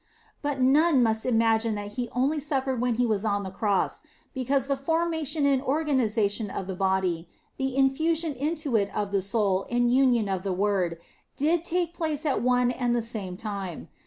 But none must imagine that He only suffered when He was on the Cross ; because the formation and organisation of the body, the infusion into it of the soul and union of the Word, did take place at one and the same time.